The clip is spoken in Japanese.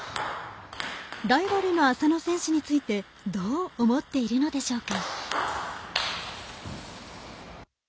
ライバルの浅野選手についてどう思っているのでしょうか？